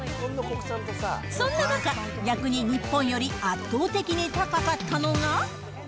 そんな中、逆に日本より圧倒的に高かったのが。